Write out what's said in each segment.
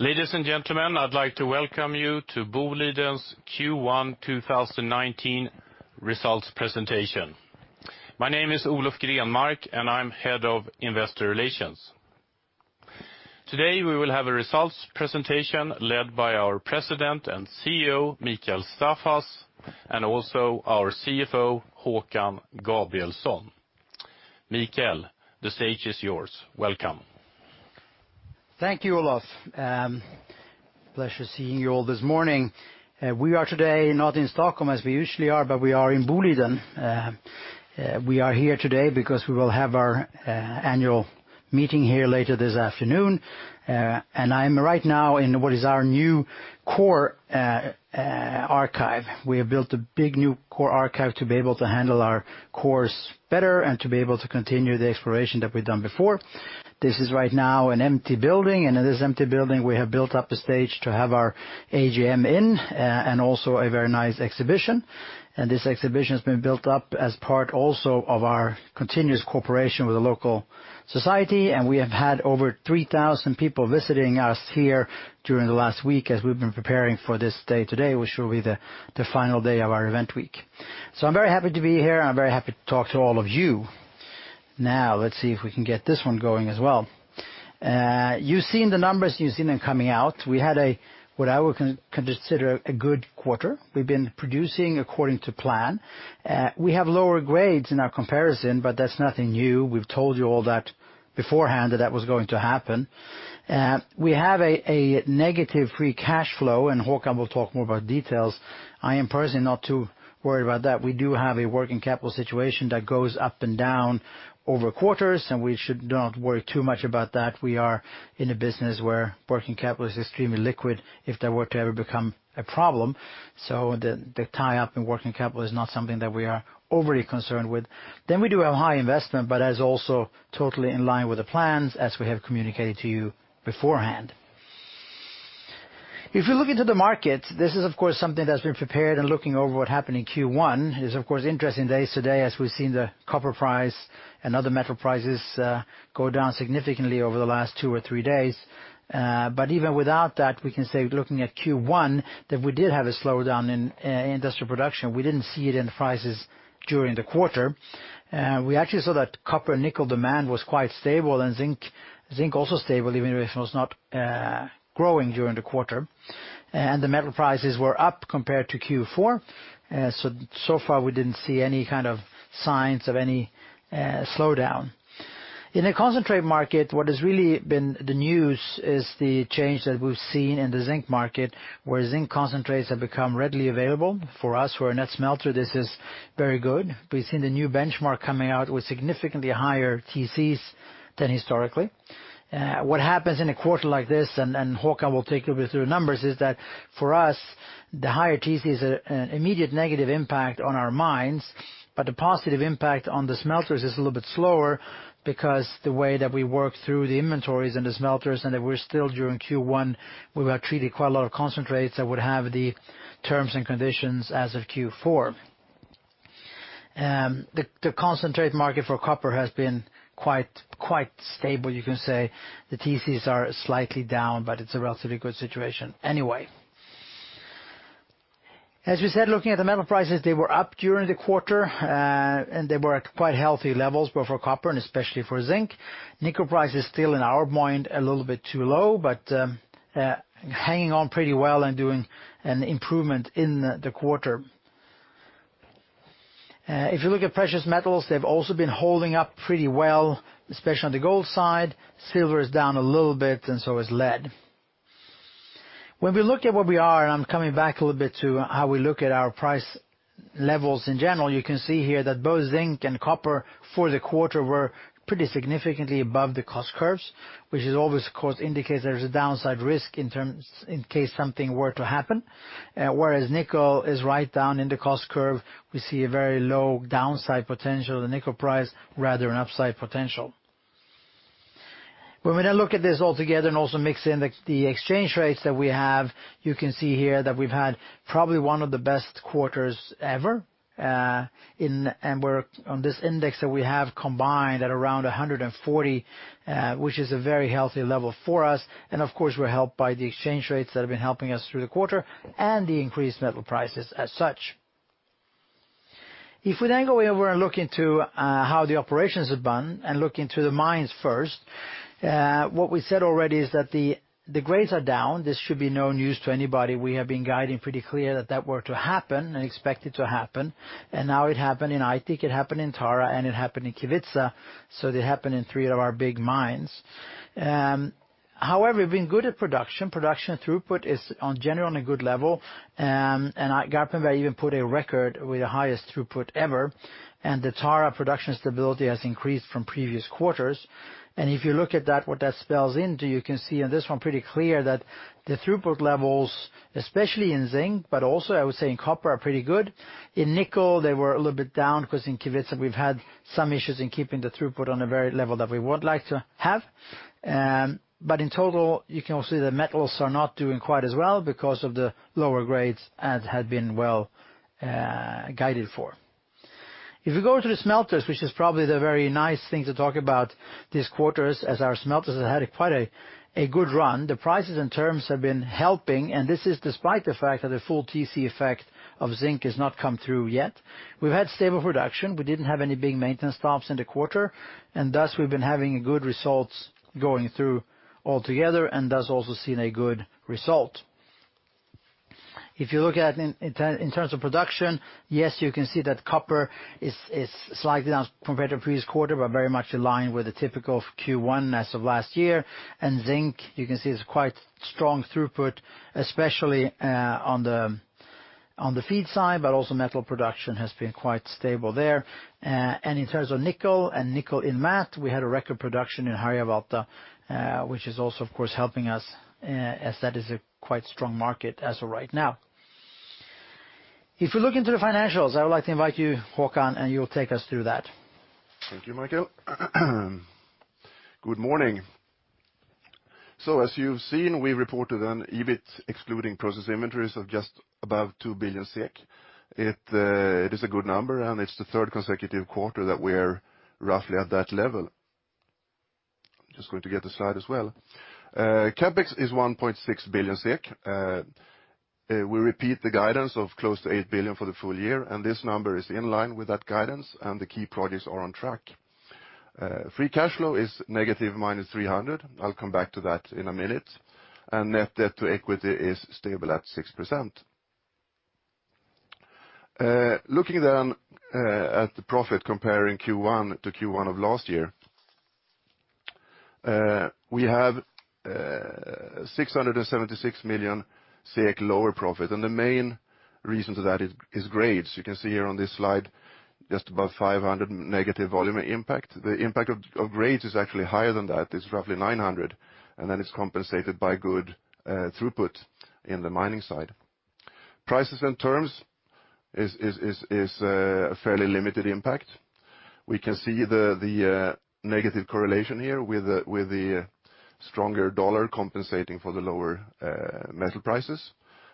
Ladies and gentlemen, I'd like to welcome you to Boliden's Q1 2019 results presentation. My name is Olof Grenmark, and I'm head of investor relations. Today, we will have a results presentation led by our President and CEO, Mikael Staffas, and also our CFO, Håkan Gabrielsson. Mikael, the stage is yours. Welcome. Thank you, Olof. Pleasure seeing you all this morning. We are today not in Stockholm as we usually are, but we are in Boliden. We are here today because we will have our annual meeting here later this afternoon. I'm right now in what is our new core archive. We have built a big new core archive to be able to handle our cores better and to be able to continue the exploration that we've done before. This is right now an empty building, and in this empty building, we have built up a stage to have our AGM in, and also a very nice exhibition. This exhibition has been built up as part also of our continuous cooperation with the local society, and we have had over 3,000 people visiting us here during the last week as we've been preparing for this day today, which will be the final day of our event week. I'm very happy to be here. I'm very happy to talk to all of you. Let's see if we can get this one going as well. You've seen the numbers. You've seen them coming out. We had a, what I would consider, a good quarter. We've been producing according to plan. We have lower grades in our comparison, but that's nothing new. We've told you all that beforehand that that was going to happen. We have a negative free cash flow, and Håkan will talk more about details. I am personally not too worried about that. We do have a working capital situation that goes up and down over quarters, and we should not worry too much about that. We are in a business where working capital is extremely liquid if that were to ever become a problem. So the tie-up in working capital is not something that we are overly concerned with. We do have high investment, but that is also totally in line with the plans as we have communicated to you beforehand. If you look into the market, this is, of course, something that's been prepared and looking over what happened in Q1. It is interesting days today as we've seen the copper price and other metal prices go down significantly over the last two or three days. Even without that, we can say, looking at Q1, that we did have a slowdown in industrial production. We didn't see it in the prices during the quarter. We actually saw that copper and nickel demand was quite stable, zinc also stable, even if it was not growing during the quarter. The metal prices were up compared to Q4. Far we didn't see any kind of signs of any slowdown. In the concentrate market, what has really been the news is the change that we've seen in the zinc market, where zinc concentrates have become readily available. For us who are a net smelter, this is very good. We've seen the new benchmark coming out with significantly higher TCs than historically. What happens in a quarter like this, Håkan will take you through numbers, is that for us, the higher TC is an immediate negative impact on our minds, but the positive impact on the smelters is a little bit slower because the way that we work through the inventories and the smelters, that we're still during Q1, we were treating quite a lot of concentrates that would have the terms and conditions as of Q4. The concentrate market for copper has been quite stable, you can say. The TCs are slightly down, but it's a relatively good situation anyway. As we said, looking at the metal prices, they were up during the quarter, they were at quite healthy levels, both for copper and especially for zinc. Nickel price is still in our mind a little bit too low, hanging on pretty well and doing an improvement in the quarter. If you look at precious metals, they've also been holding up pretty well, especially on the gold side. Silver is down a little bit, so is lead. When we look at where we are, I'm coming back a little bit to how we look at our price levels in general, you can see here that both zinc and copper for the quarter were pretty significantly above the cost curves, which is always indicates there's a downside risk in case something were to happen. Whereas nickel is right down in the cost curve, we see a very low downside potential of the nickel price, rather an upside potential. When we now look at this all together, also mix in the exchange rates that we have, you can see here that we've had probably one of the best quarters ever, we're on this index that we have combined at around 140, which is a very healthy level for us. Of course, we're helped by the exchange rates that have been helping us through the quarter, the increased metal prices as such. If we go over and look into how the operations have been and look into the mines first, what we said already is that the grades are down. This should be no news to anybody. We have been guiding pretty clear that that were to happen and expect it to happen. Now it happened in Aitik it happened in Tara, it happened in Kevitsa. It happened in three of our big mines. However, we've been good at production. Production throughput is generally on a good level. Garpenberg even put a record with the highest throughput ever, and the Tara production stability has increased from previous quarters. If you look at that, what that spells into, you can see on this one pretty clear that the throughput levels, especially in zinc, but also I would say in copper, are pretty good. In nickel, they were a little bit down because in Kevitsa we've had some issues in keeping the throughput on a very level that we would like to have. In total, you can also see the metals are not doing quite as well because of the lower grades as had been well guided for. If we go to the smelters, which is probably the very nice thing to talk about this quarter, as our smelters have had quite a good run. The prices and terms have been helping, and this is despite the fact that the full TC effect of zinc has not come through yet. We've had stable production. We didn't have any big maintenance stops in the quarter, and thus we've been having good results going through altogether and thus also seen a good result. If you look at in terms of production, yes, you can see that copper is slightly down compared to previous quarter, but very much in line with the typical Q1 as of last year. Zinc, you can see it's quite strong throughput, especially on the feed side, but also metal production has been quite stable there. In terms of nickel and nickel in matte, we had a record production in Harjavalta, which is also, of course, helping us as that is a quite strong market as of right now. If we look into the financials, I would like to invite you, Håkan, you'll take us through that. Thank you, Mikael. Good morning. As you've seen, we reported an EBIT excluding process inventories of just above 2 billion SEK. It is a good number, and it's the third consecutive quarter that we're roughly at that level. Just going to get the slide as well. CapEx is 1.6 billion SEK. We repeat the guidance of close to 8 billion for the full year, this number is in line with that guidance, and the key projects are on track. Free cash flow is negative -300. I'll come back to that in a minute. Net debt to equity is stable at 6%. Looking at the profit comparing Q1 to Q1 of last year, we have 676 million SEK lower profit. The main reason to that is grades. You can see here on this slide, just above 500 negative volume impact. The impact of grades is actually higher than that. It's roughly 900, and then it's compensated by good throughput in the mining side. Prices and terms is a fairly limited impact. We can see the negative correlation here with the stronger dollar compensating for the lower metal prices.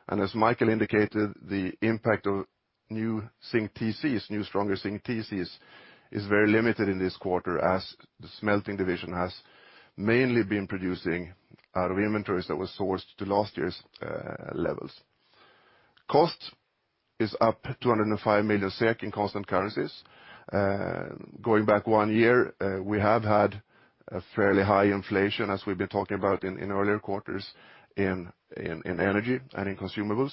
As Mikael indicated, the impact of new stronger zinc TCs is very limited in this quarter, as the smelting division has mainly been producing out of inventories that were sourced to last year's levels. Cost is up 205 million SEK in constant currencies. Going back one year, we have had a fairly high inflation, as we've been talking about in earlier quarters, in energy and in consumables.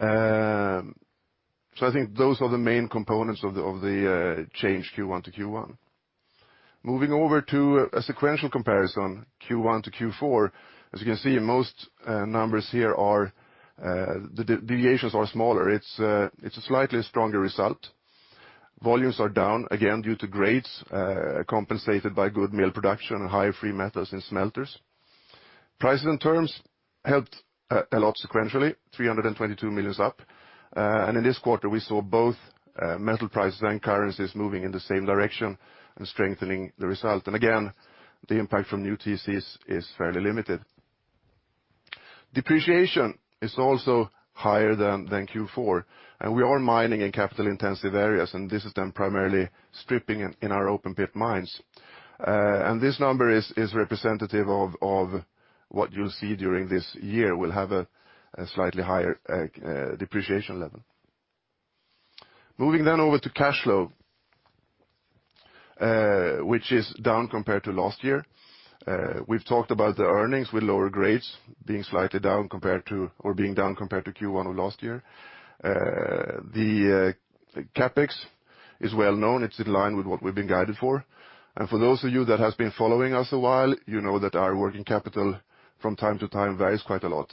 I think those are the main components of the change Q1 to Q1. Moving over to a sequential comparison, Q1 to Q4. As you can see, most numbers here, the deviations are smaller. It's a slightly stronger result. Volumes are down, again due to grades compensated by good mill production and higher free metals in smelters. Prices and terms helped a lot sequentially, 322 million up. In this quarter, we saw both metal prices and currencies moving in the same direction and strengthening the result. Again, the impact from new TCs is fairly limited. Depreciation is also higher than Q4, and we are mining in capital-intensive areas, and this is then primarily stripping in our open pit mines. This number is representative of what you'll see during this year. We'll have a slightly higher depreciation level. Moving over to cash flow, which is down compared to last year. We've talked about the earnings with lower grades being down compared to Q1 of last year. The CapEx is well known. It's in line with what we've been guided for. For those of you that has been following us a while, you know that our working capital from time to time varies quite a lot.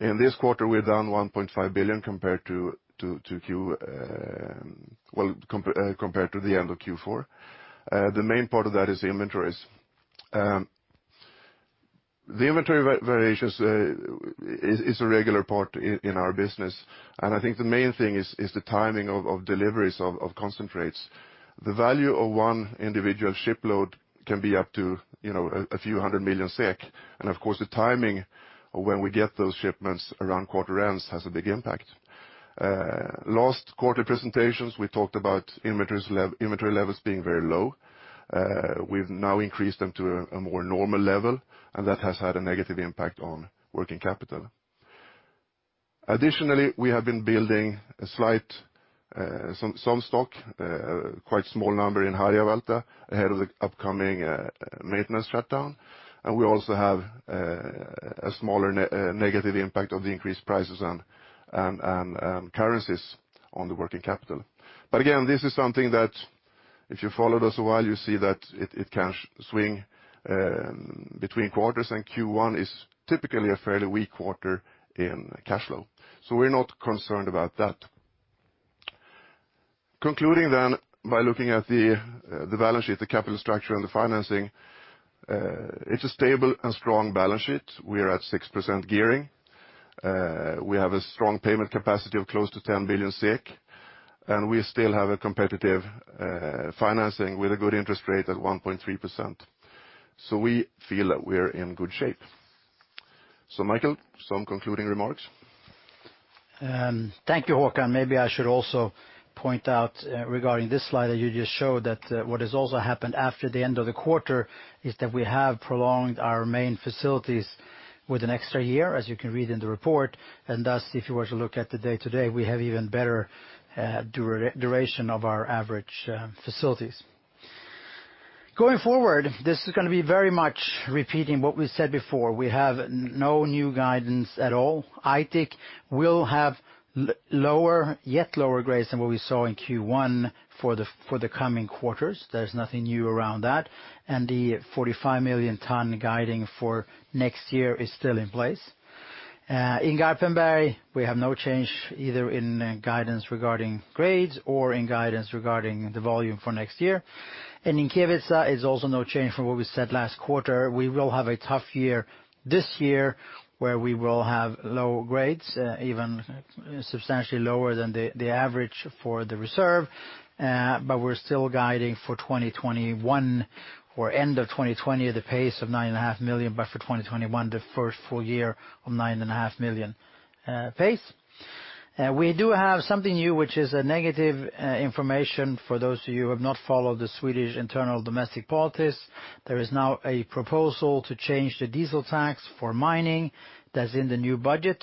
In this quarter, we're down 1.5 billion compared to the end of Q4. The main part of that is the inventories. The inventory variations is a regular part in our business, I think the main thing is the timing of deliveries of concentrates. The value of one individual shipload can be up to a few hundred million SEK, of course, the timing of when we get those shipments around quarter ends has a big impact. Last quarter presentations, we talked about inventory levels being very low. We've now increased them to a more normal level, that has had a negative impact on working capital. Additionally, we have been building some stock, quite small number in Harjavalta ahead of the upcoming maintenance shutdown. We also have a smaller negative impact of the increased prices and currencies on the working capital. Again, this is something that if you followed us a while, you see that it can swing between quarters. Q1 is typically a fairly weak quarter in cash flow. We're not concerned about that. Concluding by looking at the balance sheet, the capital structure, and the financing. It's a stable and strong balance sheet. We are at 6% gearing. We have a strong payment capacity of close to 10 billion SEK, and we still have a competitive financing with a good interest rate at 1.3%. We feel that we're in good shape. Mikael, some concluding remarks. Thank you, Håkan. Maybe I should also point out regarding this slide that you just showed, that what has also happened after the end of the quarter is that we have prolonged our main facilities with an extra year, as you can read in the report, and thus, if you were to look at the day today, we have even better duration of our average facilities. Going forward, this is going to be very much repeating what we said before. We have no new guidance at all. Aitik will have yet lower grades than what we saw in Q1 for the coming quarters. There's nothing new around that, and the 45 million ton guiding for next year is still in place. In Garpenberg, we have no change either in guidance regarding grades or in guidance regarding the volume for next year. In Kevitsa, it's also no change from what we said last quarter. We will have a tough year this year, where we will have low grades, even substantially lower than the average for the reserve, we're still guiding for 2021 or end of 2020, the pace of 9.5 million, for 2021, the first full year of 9.5 million pace. We do have something new, which is a negative information for those of you who have not followed the Swedish internal domestic politics. There is now a proposal to change the diesel tax for mining that's in the new budget.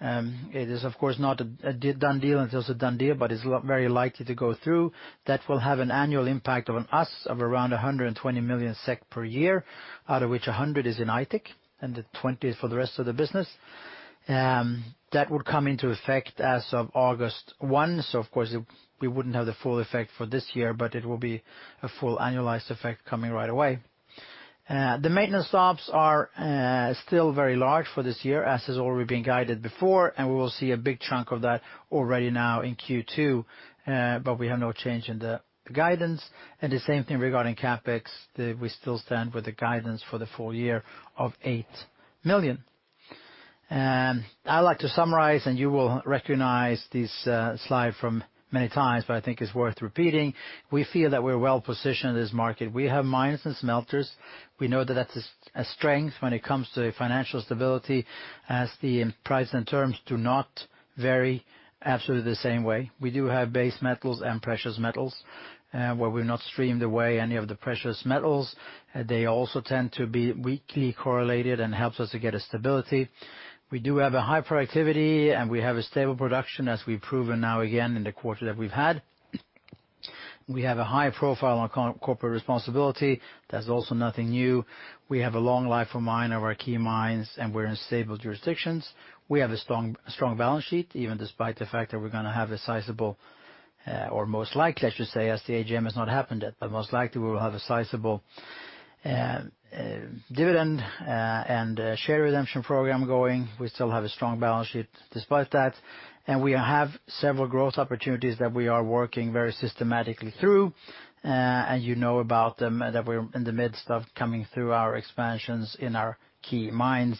It is, of course, not a done deal until it's a done deal, it's very likely to go through. That will have an annual impact on us of around 120 million SEK per year, out of which 100 million is in Aitik and 20 million is for the rest of the business. That would come into effect as of August 1. Of course, we wouldn't have the full effect for this year, it will be a full annualized effect coming right away. The maintenance stops are still very large for this year, as has already been guided before, we will see a big chunk of that already now in Q2, we have no change in the guidance. The same thing regarding CapEx, we still stand with the guidance for the full year of 8 million. I'd like to summarize, you will recognize this slide from many times, I think it's worth repeating. We feel that we're well-positioned in this market. We have mines and smelters. We know that that's a strength when it comes to financial stability as the price and terms do not vary absolutely the same way. We do have base metals and precious metals, where we've not streamed away any of the precious metals. They also tend to be weakly correlated and helps us to get a stability. We do have a high productivity, we have a stable production as we've proven now again in the quarter that we've had. We have a high profile on corporate responsibility. That's also nothing new. We have a long life of mine of our key mines, we're in stable jurisdictions. We have a strong balance sheet, even despite the fact that we're going to have a sizable, or most likely I should say, as the AGM has not happened yet, but most likely we will have a sizable dividend and a share redemption program going. We still have a strong balance sheet despite that. We have several growth opportunities that we are working very systematically through. You know about them, that we're in the midst of coming through our expansions in our key mines.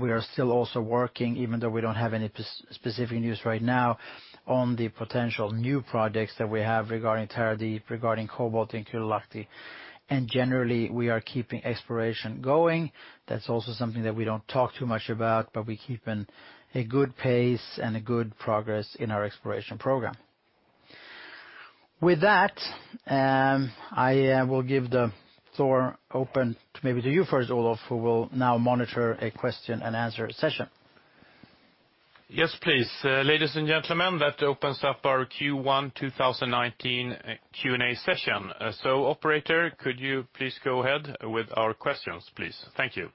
We are still also working, even though we don't have any specific news right now on the potential new projects that we have regarding Terrafame, regarding cobalt in Kylylahti. Generally, we are keeping exploration going. That's also something that we don't talk too much about, but we're keeping a good pace and a good progress in our exploration program. With that, I will give the floor open to maybe to you first, Olof, who will now monitor a question and answer session. Yes, please. Ladies and gentlemen, that opens up our Q1 2019 Q&A session. Operator, could you please go ahead with our questions, please? Thank you.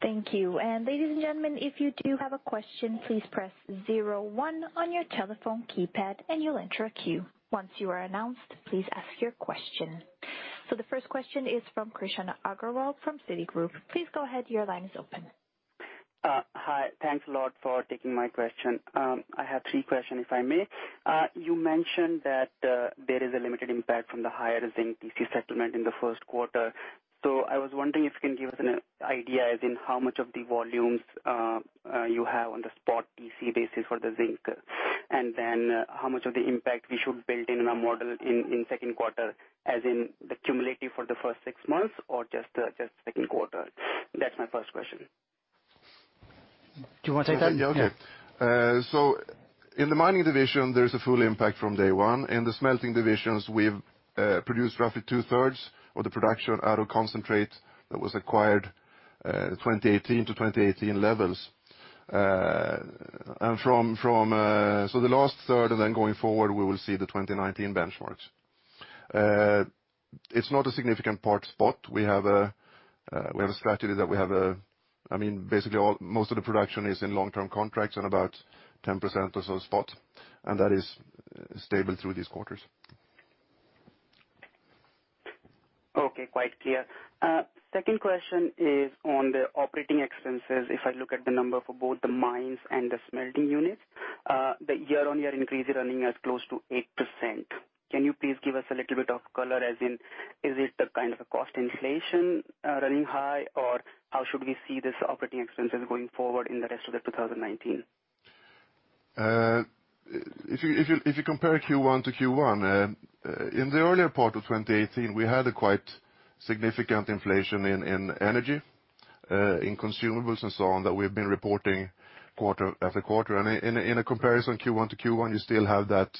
Thank you. Ladies and gentlemen, if you do have a question, please press 01 on your telephone keypad and you'll enter a queue. Once you are announced, please ask your question. The first question is from Krishan Agarwal from Citigroup. Please go ahead, your line is open. Hi. Thanks a lot for taking my question. I have three questions, if I may. You mentioned that there is a limited impact from the higher zinc TC settlement in the first quarter. I was wondering if you can give us an idea as in how much of the volumes you have on the spot TC basis for the zinc, and then how much of the impact we should build in in our model in second quarter as in the cumulative for the first six months or just the second quarter? That's my first question. Do you want to take that? Yeah, okay. In the mining division, there's a full impact from day one. In the smelting divisions, we've produced roughly two-thirds of the production out of concentrate that was acquired 2018 to 2018 levels. The last third going forward, we will see the 2019 benchmarks. It's not a significant part spot. We have a strategy that Basically, most of the production is in long-term contracts and about 10% or so spot, and that is stable through these quarters. Okay, quite clear. Second question is on the operating expenses. If I look at the number for both the mines and the smelting units, the year-on-year increase is running as close to 8%. Can you please give us a little bit of color as in, is it a kind of a cost inflation running high, or how should we see this operating expenses going forward in the rest of the 2019? If you compare Q1 to Q1, in the earlier part of 2018, we had a quite significant inflation in energy, in consumables and so on, that we've been reporting quarter after quarter. In a comparison Q1 to Q1, you still have that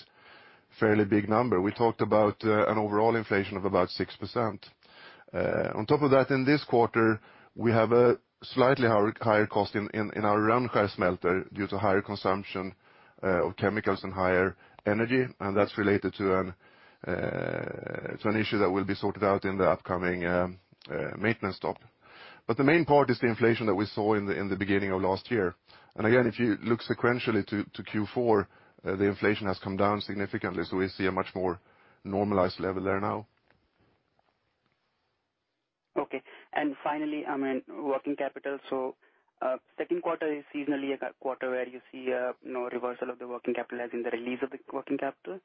fairly big number. We talked about an overall inflation of about 6%. On top of that, in this quarter, we have a slightly higher cost in our Rönnskär smelter due to higher consumption of chemicals and higher energy, that's related to an issue that will be sorted out in the upcoming maintenance stop. The main part is the inflation that we saw in the beginning of last year. Again, if you look sequentially to Q4, the inflation has come down significantly. We see a much more normalized level there now. Finally on working capital. Second quarter is seasonally a quarter where you see a reversal of the working capital as in the release of the working capital.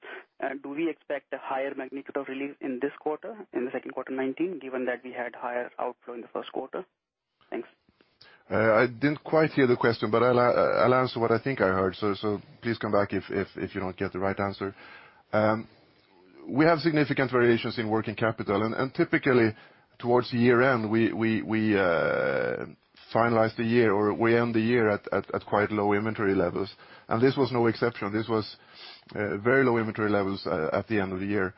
Do we expect a higher magnitude of release in this quarter, in the second quarter 2019, given that we had higher outflow in the first quarter? Thanks. I didn't quite hear the question, I'll answer what I think I heard, please come back if you don't get the right answer. We have significant variations in working capital, typically towards the year-end, we end the year at quite low inventory levels, this was no exception. This was very low inventory levels at the end of the year.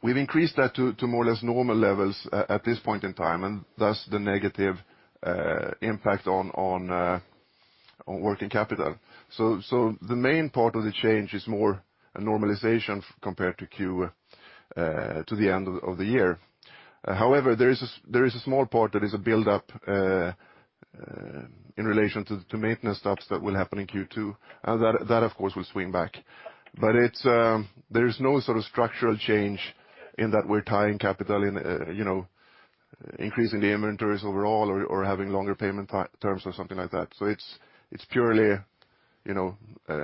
We've increased that to more or less normal levels at this point in time, thus the negative impact on working capital. The main part of the change is more a normalization compared to the end of the year. However, there is a small part that is a buildup in relation to maintenance stops that will happen in Q2. That, of course, will swing back. There's no sort of structural change in that we're tying capital in increasing the inventories overall or having longer payment terms or something like that. It's purely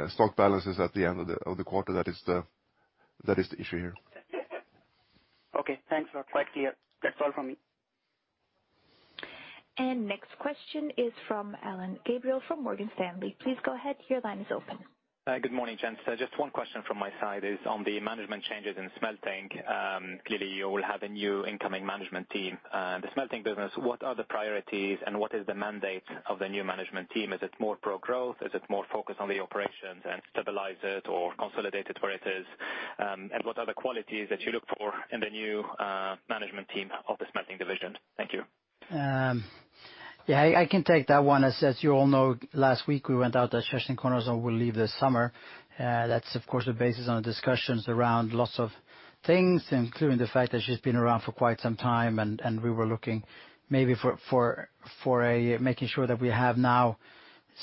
stock balances at the end of the quarter that is the issue here. Okay, thanks. That's quite clear. That's all from me. Next question is from Alain Gabriel from Morgan Stanley. Please go ahead. Your line is open. Good morning, gents. Just one question from my side is on the management changes in smelting. Clearly, you will have a new incoming management team. The smelting business, what are the priorities and what is the mandate of the new management team? Is it more pro-growth? Is it more focused on the operations and stabilize it or consolidate it where it is? What are the qualities that you look for in the new management team of the smelting division? Thank you. I can take that one. As you all know, last week we went out that Kerstin Konradsson will leave this summer. That's of course the basis on discussions around lots of things, including the fact that she's been around for quite some time, and we were looking maybe for making sure that we have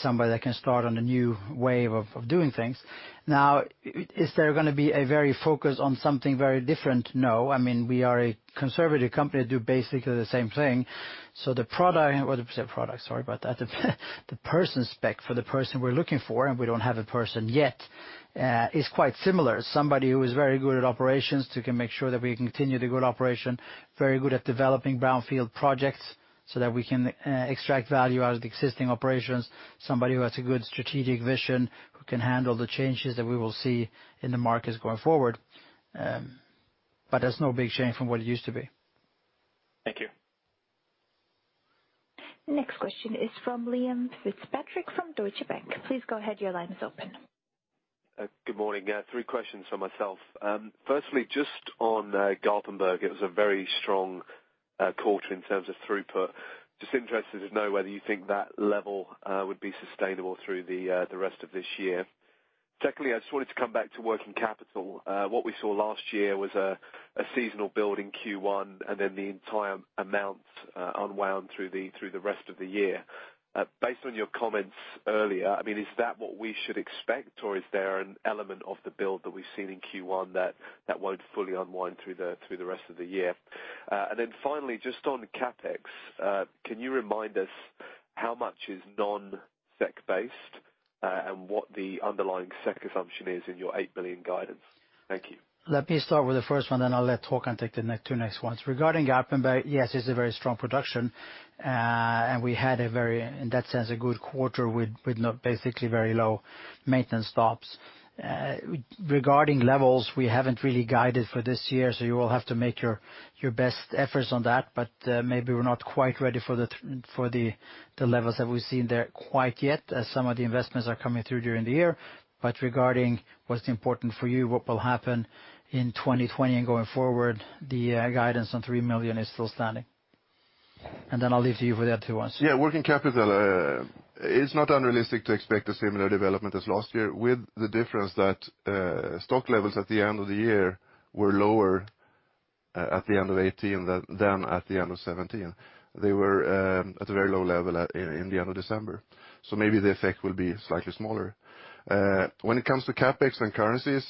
somebody that can start on a new wave of doing things. Is there going to be a very focus on something very different? No. We are a conservative company that do basically the same thing. The person spec for the person we're looking for, and we don't have a person yet, is quite similar. Somebody who is very good at operations, who can make sure that we continue the good operation, very good at developing brownfield projects so that we can extract value out of the existing operations. Somebody who has a good strategic vision, who can handle the changes that we will see in the markets going forward. There's no big change from what it used to be. Thank you. Next question is from Liam Fitzpatrick from Deutsche Bank. Please go ahead. Your line is open. Good morning. Three questions from myself. Firstly, just on Garpenberg, it was a very strong quarter in terms of throughput. Just interested to know whether you think that level would be sustainable through the rest of this year. Secondly, I just wanted to come back to working capital. What we saw last year was a seasonal build in Q1, then the entire amount unwound through the rest of the year. Based on your comments earlier, is that what we should expect, or is there an element of the build that we've seen in Q1 that won't fully unwind through the rest of the year? Finally, just on CapEx, can you remind us how much is non-SEK based and what the underlying SEK assumption is in your 8 billion guidance? Thank you. Let me start with the first one, then I'll let Håkan take the two next ones. Regarding Garpenberg, yes, it's a very strong production, and we had, in that sense, a good quarter with basically very low maintenance stops. Regarding levels, we haven't really guided for this year, so you will have to make your best efforts on that, but maybe we're not quite ready for the levels that we've seen there quite yet, as some of the investments are coming through during the year. Regarding what's important for you, what will happen in 2020 and going forward, the guidance on 3 million is still standing. I'll leave to you for the other two ones. Yeah, working capital, it's not unrealistic to expect a similar development as last year with the difference that stock levels at the end of the year were lower at the end of 2018 than at the end of 2017. They were at a very low level in the end of December. Maybe the effect will be slightly smaller. When it comes to CapEx and currencies,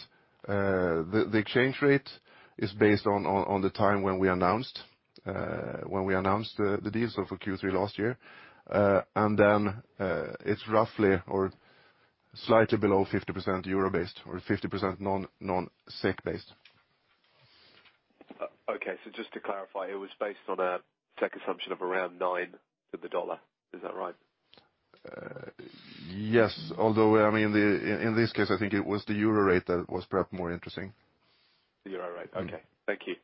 the exchange rate is based on the time when we announced the deals for Q3 last year. It's roughly or slightly below 50% EUR based or 50% non-SEK based. Okay, just to clarify, it was based on a SEK assumption of around nine to the dollar. Is that right? Yes. Although, in this case, I think it was the EUR rate that was perhaps more interesting. The euro rate. Okay. Thank you.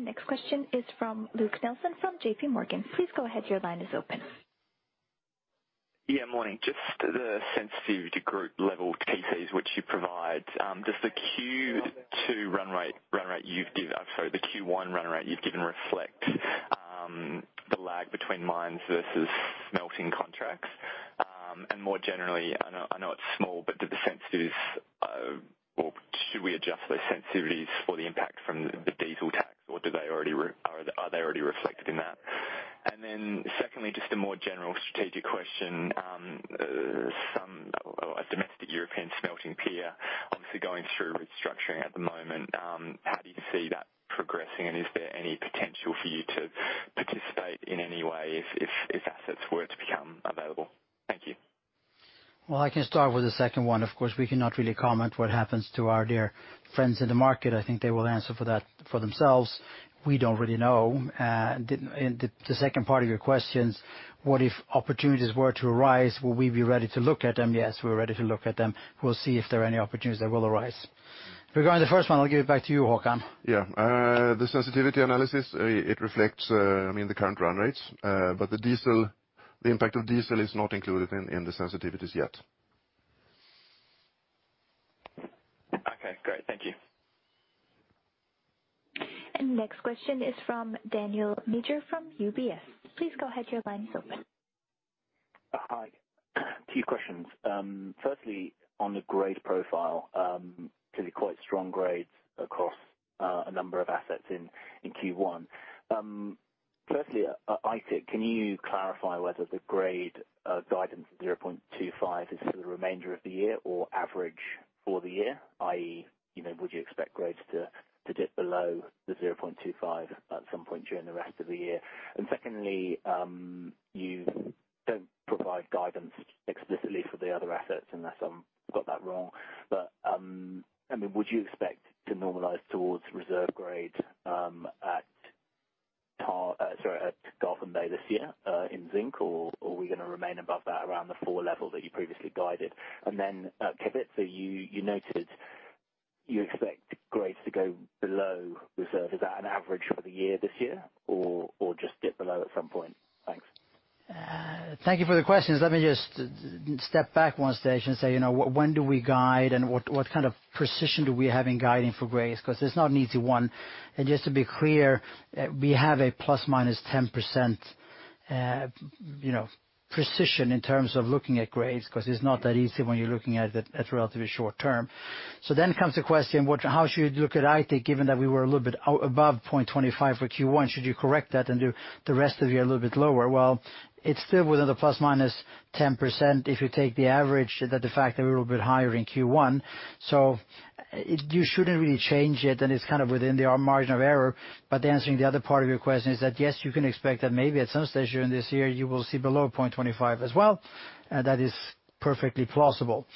Next question is from Luke Nelson from JPMorgan. Please go ahead. Your line is open. Morning. Just the sensitivity group level TCs, which you provide. Does the Q1 run rate you've given reflect the lag between mines versus smelting contracts? More generally, I know it's small, but do the sensitivities or should we adjust those sensitivities for the impact from the diesel tax or are they already reflected in that? Secondly, just a more general strategic question. A domestic European smelting peer, obviously going through restructuring at the moment. How do you see that progressing and is there any potential for you to participate in any way if assets were to become available? Thank you. Well, I can start with the second one. Of course, we cannot really comment what happens to our dear friends in the market. I think they will answer for that for themselves. We don't really know. The second part of your questions, what if opportunities were to arise, will we be ready to look at them? Yes, we're ready to look at them. We'll see if there are any opportunities that will arise. Regarding the first one, I'll give it back to you, Håkan. Yeah. The sensitivity analysis, it reflects the current run rates. The impact of diesel is not included in the sensitivities yet. Okay, great. Thank you. Next question is from Daniel Major from UBS. Please go ahead, your line is open. Hi. Two questions. Firstly, on the grade profile, clearly quite strong grades across a number of assets in Q1. Firstly, Aitik, can you clarify whether the grade guidance of 0.25 is for the remainder of the year or average for the year, i.e., would you expect grades to dip below the 0.25 at some point during the rest of the year? Secondly, you don't provide guidance explicitly for the other assets unless I've got that wrong. Would you expect to normalize towards reserve grade at Garpenberg this year, in zinc? Or are we going to remain above that around the 4 level that you previously guided? Then at Kevitsa you noted you expect grades to go below reserve. Is that an average for the year this year or just dip below at some point? Thanks. Thank you for the questions. Let me just step back 1 stage and say, when do we guide and what kind of precision do we have in guiding for grades? It's not an easy one. Just to be clear, we have a ±10% precision in terms of looking at grades, because it's not that easy when you're looking at it at relatively short-term. Then comes the question, how should you look at Aitik given that we were a little bit above 0.25 for Q1? Should you correct that and do the rest of the year a little bit lower? It's still within the ±10% if you take the average that the fact that we're a little bit higher in Q1. You shouldn't really change it and it's within the margin of error. Answering the other part of your question is that, yes, you can expect that maybe at some stage during this year you will see below 0.25 as well. That is perfectly plausible.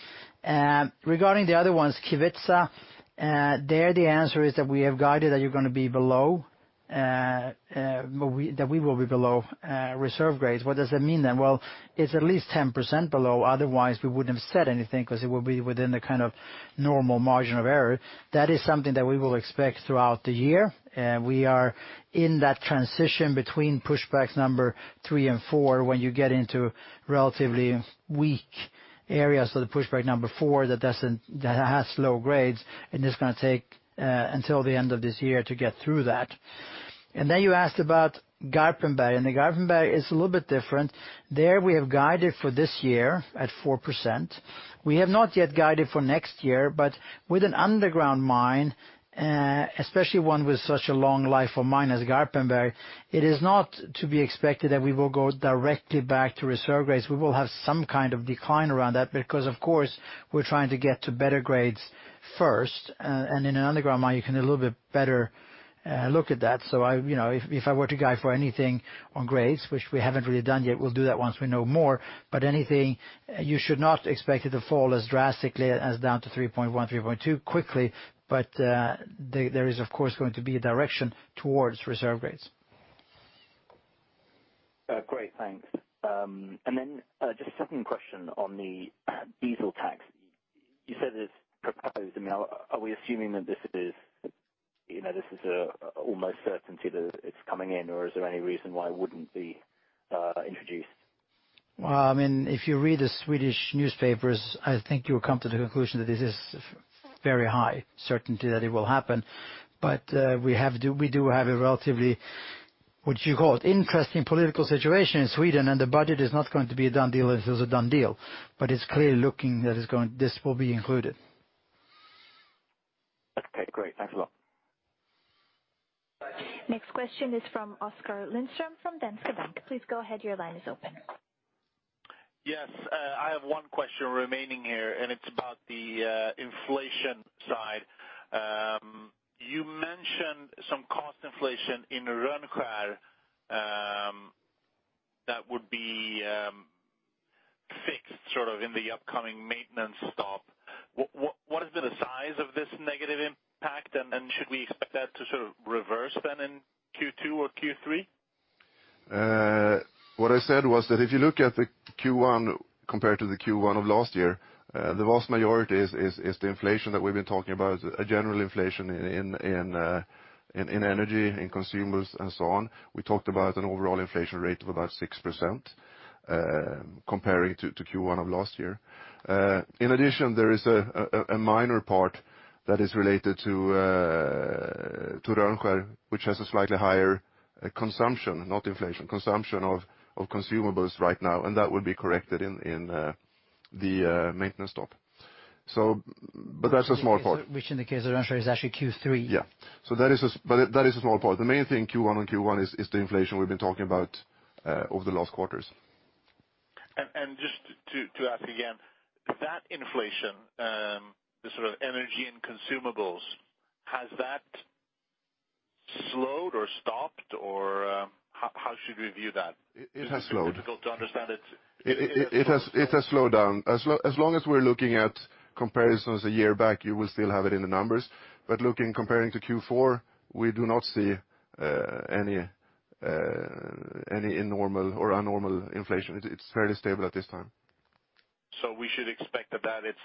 Regarding the other ones, Kevitsa, there the answer is that we have guided that we will be below reserve grades. What does that mean? It's at least 110% below, otherwise we wouldn't have said anything because it would be within the normal margin of error. That is something that we will expect throughout the year. We are in that transition between push backs number 3 and 4 when you get into relatively weak areas of the push back number 4 that has low grades, and it's going to take until the end of this year to get through that. You asked about Garpenberg is a little bit different. There we have guided for this year at 4%. We have not yet guided for next year, with an underground mine, especially one with such a long life of mine as Garpenberg, it is not to be expected that we will go directly back to reserve grades. We will have some kind of decline around that because, of course, we're trying to get to better grades first. In an underground mine, you can a little bit better look at that. If I were to guide for anything on grades, which we haven't really done yet, we'll do that once we know more. You should not expect it to fall as drastically as down to 3.1, 3.2 quickly, there is, of course, going to be a direction towards reserve grades. Great, thanks. Just a second question on the diesel tax. You said it's proposed. Are we assuming that this is almost certainty that it's coming in, or is there any reason why it wouldn't be introduced? Well, if you read the Swedish newspapers, I think you will come to the conclusion that this is very high certainty that it will happen. We do have a relatively, what you call it, interesting political situation in Sweden, and the budget is not going to be a done deal until it's a done deal. It's clearly looking that this will be included. Okay, great. Thanks a lot. Next question is from Oskar Lindström from Danske Bank. Please go ahead, your line is open. Yes. I have one question remaining here. It's about the inflation side. You mentioned some cost inflation in Rönnskär in the upcoming maintenance stop. What has been the size of this negative impact? Should we expect that to reverse then in Q2 or Q3? What I said was that if you look at the Q1 compared to the Q1 of last year, the vast majority is the inflation that we've been talking about, a general inflation in energy, in consumables and so on. We talked about an overall inflation rate of about 6% comparing to Q1 of last year. In addition, there is a minor part that is related to Rönnskär, which has a slightly higher consumption, not inflation, consumption of consumables right now, and that will be corrected in the maintenance stop. That's a small part. Which in the case of Rönnskär is actually Q3. Yeah. That is a small part. The main thing Q1 on Q1 is the inflation we've been talking about over the last quarters. Just to ask again, that inflation, the sort of energy and consumables, has that slowed or stopped, or how should we view that? It has slowed. Difficult to understand. It has slowed down. As long as we're looking at comparisons a year back, you will still have it in the numbers. Looking compared to Q4, we do not see any normal or abnormal inflation. It's fairly stable at this time. We should expect that its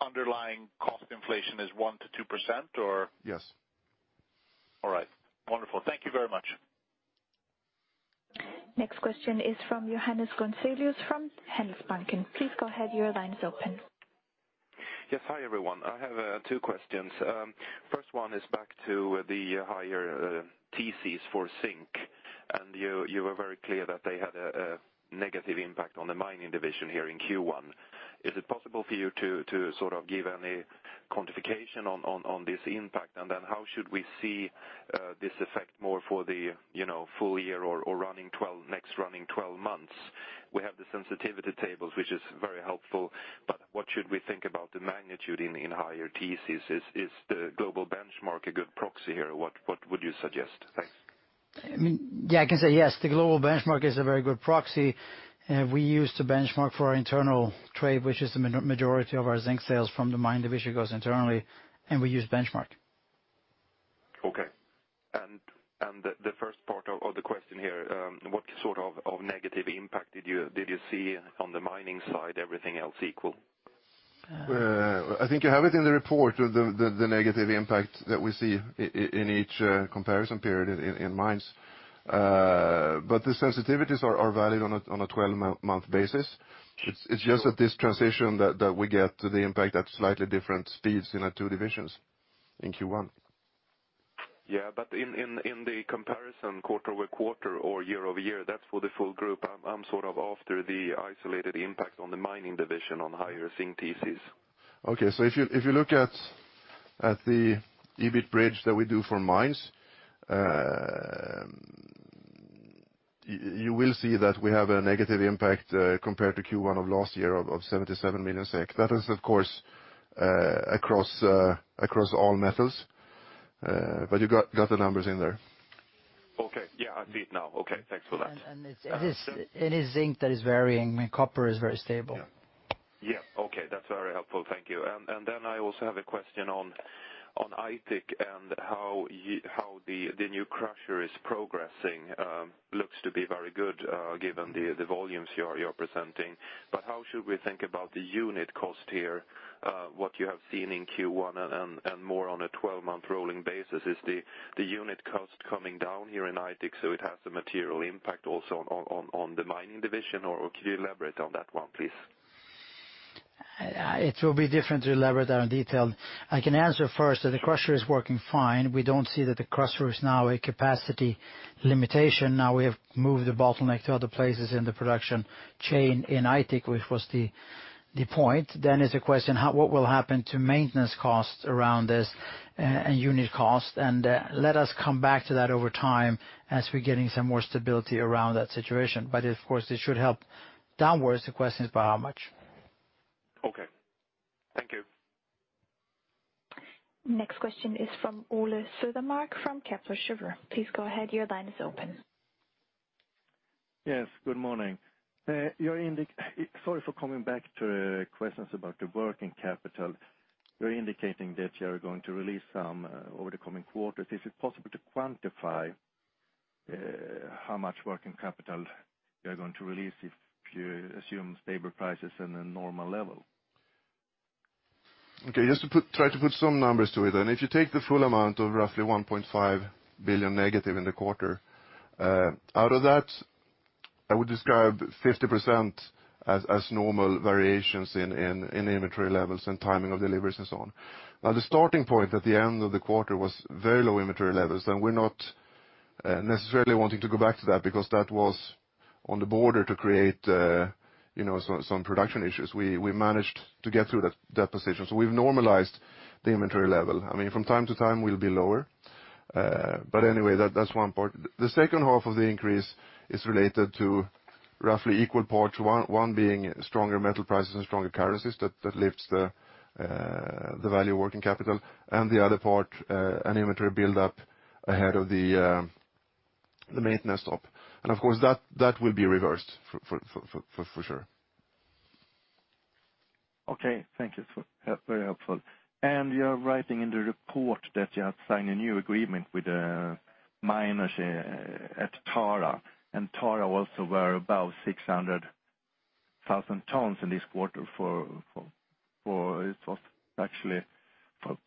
underlying cost inflation is 1%-2% or? Yes. All right. Wonderful. Thank you very much. Next question is from Jonas Gonsalves from Handelsbanken. Please go ahead, your line's open. Yes. Hi, everyone. I have two questions. First one is back to the higher TCs for zinc. You were very clear that they had a negative impact on the mining division here in Q1. Is it possible for you to give any quantification on this impact? Then how should we see this effect more for the full year or next running 12 months? We have the sensitivity tables, which is very helpful, but what should we think about the magnitude in higher TCs? Is the global benchmark a good proxy here, or what would you suggest? Thanks. I can say yes, the global benchmark is a very good proxy. We use the benchmark for our internal trade, which is the majority of our zinc sales from the mine division goes internally. We use benchmark. Okay. The first part of the question here, what sort of negative impact did you see on the mining side, everything else equal? I think you have it in the report, the negative impact that we see in each comparison period in mines. The sensitivities are valid on a 12-month basis. It's just that this transition that we get to the impact at slightly different speeds in our two divisions in Q1. Yeah, in the comparison quarter-over-quarter or year-over-year, that's for the full group. I'm sort of after the isolated impact on the mining division on higher zinc TCs. Okay. If you look at the EBIT bridge that we do for mines, you will see that we have a negative impact compared to Q1 of last year of 77 million SEK. That is, of course, across all metals. You got the numbers in there. Okay. Yeah, I see it now. Okay, thanks for that. It is zinc that is varying. Copper is very stable. That's very helpful. Thank you. I also have a question on Aitik and how the new crusher is progressing. Looks to be very good given the volumes you are presenting. How should we think about the unit cost here, what you have seen in Q1 and more on a 12-month rolling basis? Is the unit cost coming down here in Aitik, so it has a material impact also on the mining division, or could you elaborate on that one, please? It will be different to elaborate that in detail. I can answer first that the crusher is working fine. We don't see that the crusher is now a capacity limitation. We have moved the bottleneck to other places in the production chain in Aitik, which was the point. Is the question, what will happen to maintenance costs around this and unit cost? Let us come back to that over time as we're getting some more stability around that situation. Of course, it should help downwards. The question is by how much. Okay. Thank you. Next question is from Ole Slorer from Capital Sugar. Please go ahead. Your line is open. Yes, good morning. Sorry for coming back to questions about the working capital. You're indicating that you are going to release some over the coming quarters. Is it possible to quantify how much working capital you are going to release if you assume stable prices and a normal level? Okay. Just to try to put some numbers to it then. If you take the full amount of roughly 1.5 billion negative in the quarter, out of that, I would describe 50% as normal variations in inventory levels and timing of deliveries and so on. The starting point at the end of the quarter was very low inventory levels, and we're not necessarily wanting to go back to that because that was on the border to create some production issues. We managed to get through that position. We've normalized the inventory level. From time to time we'll be lower. Anyway, that's one part. The second half of the increase is related to roughly equal parts, one being stronger metal prices and stronger currencies that lifts the value working capital, and the other part an inventory buildup ahead of the maintenance stop. Of course, that will be reversed for sure. Okay. Thank you. Very helpful. You are writing in the report that you have signed a new agreement with the miners at Tara also were above 600,000 tonnes in this quarter. It was actually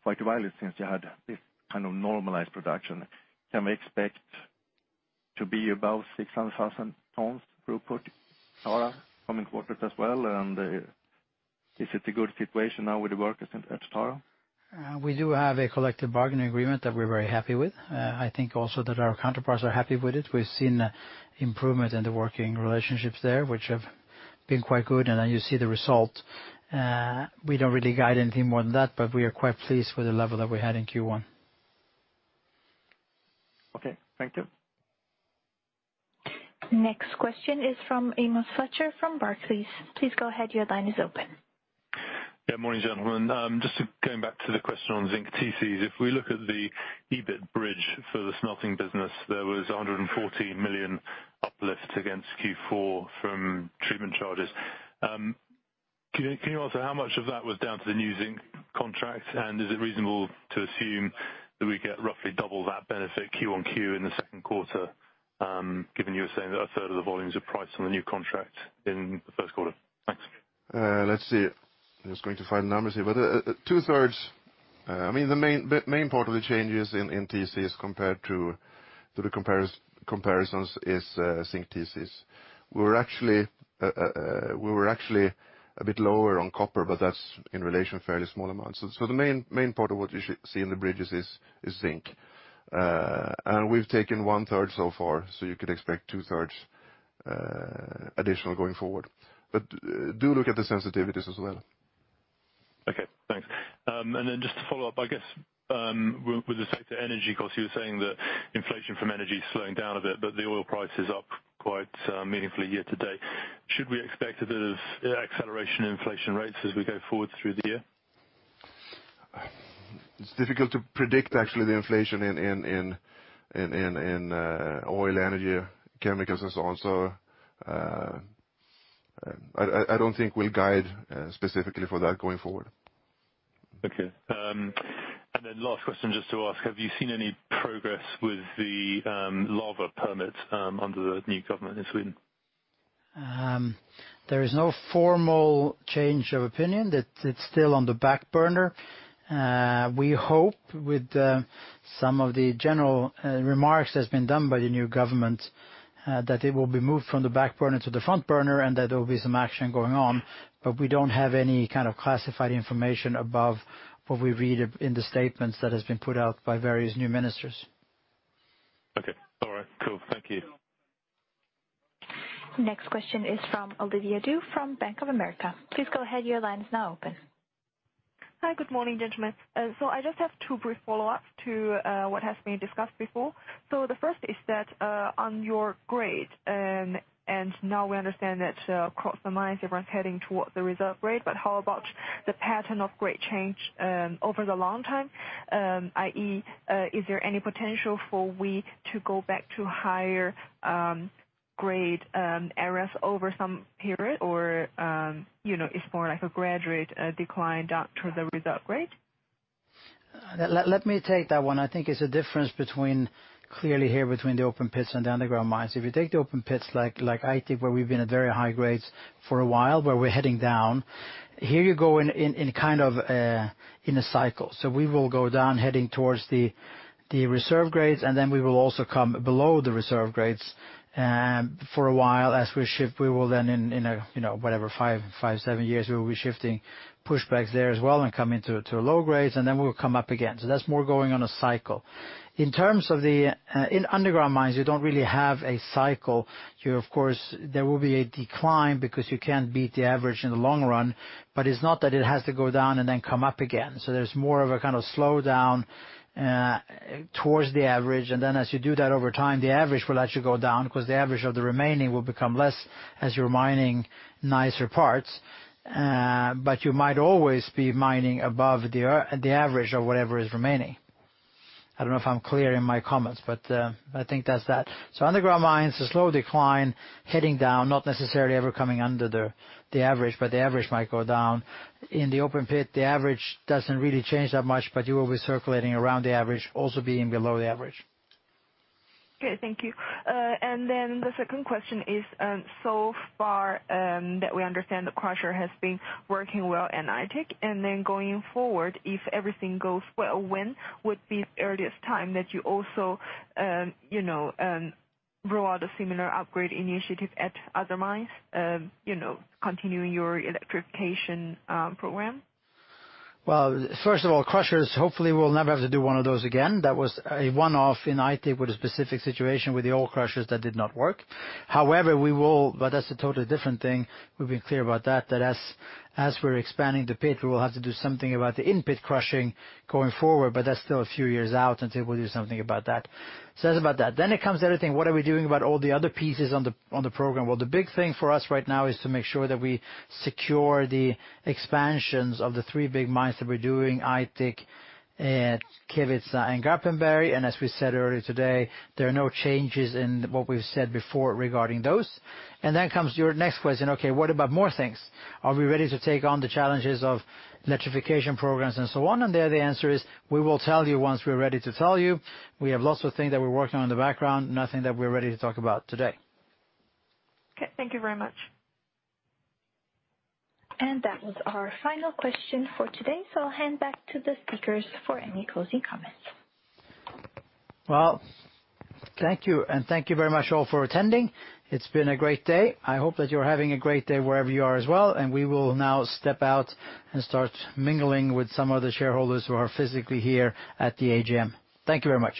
quite a while since you had this kind of normalized production. Can we expect to be above 600,000 tonnes throughput Tara coming quarters as well? Is it a good situation now with the workers at Tara? We do have a collective bargaining agreement that we're very happy with. I think also that our counterparts are happy with it. We've seen improvement in the working relationships there, which have been quite good, then you see the result. We don't really guide anything more than that, but we are quite pleased with the level that we had in Q1. Okay. Thank you. Next question is from Amos Fletcher from Barclays. Please go ahead. Your line is open. Yeah, morning, gentlemen. Just going back to the question on zinc TCs. If we look at the EBIT bridge for the smelting business, there was 140 million uplift against Q4 from treatment charges. Can you answer how much of that was down to the new zinc contract? Is it reasonable to assume that we get roughly double that benefit quarter-on-quarter in the second quarter, given you were saying that a third of the volumes are priced on the new contract in the first quarter? Thanks. Let's see. I'm just going to find the numbers here. Two-thirds, the main part of the changes in TCs compared to the comparisons is zinc TCs. We were actually a bit lower on copper, that's in relation fairly small amounts. The main part of what you should see in the bridges is zinc. We've taken one-third so far, you could expect two-thirds additional going forward. Do look at the sensitivities as well. Okay, thanks. Just to follow up, I guess, with respect to energy costs, you were saying that inflation from energy is slowing down a bit, the oil price is up quite meaningfully year-to-date. Should we expect a bit of acceleration in inflation rates as we go forward through the year? It's difficult to predict actually the inflation in oil, energy, chemicals and so on. I don't think we'll guide specifically for that going forward. Okay. Last question just to ask, have you seen any progress with the Laver permit under the new government in Sweden? There is no formal change of opinion, that it's still on the back burner. We hope with some of the general remarks that's been done by the new government, that it will be moved from the back burner to the front burner and that there will be some action going on. We don't have any kind of classified information above what we read in the statements that has been put out by various new ministers. Okay. All right, cool. Thank you. Next question is from Olivia Du from Bank of America. Please go ahead. Your line is now open. Hi. Good morning, gentlemen. I just have two brief follow-ups to what has been discussed before. The first is that, on your grade, and now we understand that across the mines, everyone's heading towards the reserve grade, but how about the pattern of grade change over the long time? i.e., is there any potential for we to go back to higher grade areas over some period or it's more like a gradual decline down to the reserve grade? Let me take that one. I think it's a difference clearly here between the open pits and the underground mines. If you take the open pits like Aitik, where we've been at very high grades for a while, where we're heading down, here you go in a cycle. We will go down heading towards the reserve grades, and then we will also come below the reserve grades for a while as we shift. We will then in, whatever, five, seven years, we will be shifting pushbacks there as well and come into low grades, and then we'll come up again. That's more going on a cycle. In terms of the underground mines, you don't really have a cycle. Of course, there will be a decline because you can't beat the average in the long run, it's not that it has to go down and then come up again. There's more of a kind of slowdown towards the average, and then as you do that over time, the average will actually go down because the average of the remaining will become less as you're mining nicer parts. You might always be mining above the average of whatever is remaining. I don't know if I'm clear in my comments, I think that's that. Underground mines, a slow decline heading down, not necessarily ever coming under the average, but the average might go down. In the open pit, the average doesn't really change that much, but you will be circulating around the average also being below the average. Okay. Thank you. The second question is, so far that we understand the crusher has been working well in Aitik, going forward, if everything goes well, when would be the earliest time that you also roll out a similar upgrade initiative at other mines continuing your Electrification Program? First of all, crushers, hopefully we'll never have to do one of those again. That was a one-off in Aitik with a specific situation with the old crushers that did not work. However, we will, but that's a totally different thing, we've been clear about that as we're expanding the pit, we will have to do something about the in-pit crushing going forward, but that's still a few years out until we'll do something about that. That's about that. It comes to everything, what are we doing about all the other pieces on the program? The big thing for us right now is to make sure that we secure the expansions of the three big mines that we're doing, Aitik, Kevitsa and Garpenberg. As we said earlier today, there are no changes in what we've said before regarding those. Comes your next question, okay, what about more things? Are we ready to take on the challenges of Electrification Programs and so on? There the answer is, we will tell you once we're ready to tell you. We have lots of things that we're working on in the background, nothing that we're ready to talk about today. Okay. Thank you very much. That was our final question for today, so I'll hand back to the speakers for any closing comments. Well, thank you, and thank you very much all for attending. It's been a great day. I hope that you're having a great day wherever you are as well, and we will now step out and start mingling with some of the shareholders who are physically here at the AGM. Thank you very much.